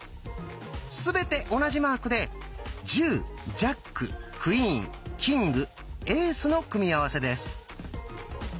全て同じマークで「１０ジャッククイーンキングエース」の組み合わせです。